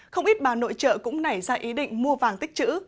không ít bà nội trợ cũng nảy ra ý định mua vàng tích chữ